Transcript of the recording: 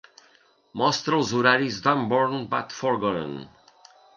Mostra els horaris d'Unborn but Forgotten.